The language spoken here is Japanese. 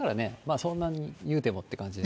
そんなに、言うてもって感じです。